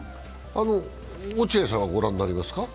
落合さんは御覧になりますか？